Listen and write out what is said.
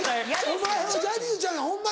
お前はジャニーズちゃうねんホンマ